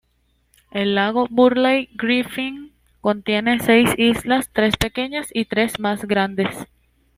El lago Burley Griffin contiene seis islas, tres pequeñas y tres más grandes.